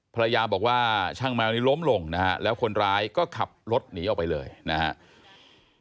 ภรรยาบอกว่าช่างแมวนี้ล้มลงนะฮะแล้วคนร้ายก็ขับรถหนีออกไปเลยนะครับ